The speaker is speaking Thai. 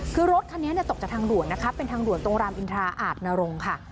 คือรถคันนี้ตกจากทางด่วนนะคะเป็นทางด่วนตรงรามอินทราอาจนรงค์ค่ะ